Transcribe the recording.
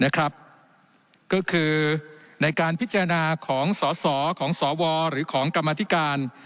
ก็คือในการพิจารณาของสสของสวหรือของกรรมธิการ